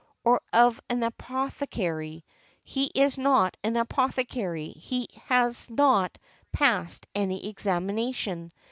Or of an apothecary, "He is not an apothecary; he has not passed any examination.